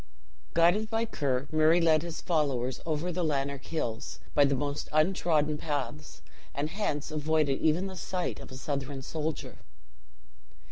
Guided by Ker, Murray led his followers over the Lanark Hills, by the most untrodden paths; and hence avoided even the sight of a Southron soldier.